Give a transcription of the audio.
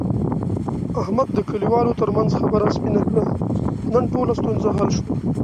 احمد د کلیوالو ترمنځ خبره سپینه کړه. نن ټوله ستونزه حل شوه.